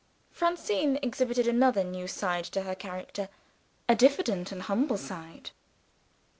Francine exhibited another new side to her character a diffident and humble side.